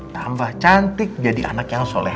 tambah cantik jadi anak yang soleh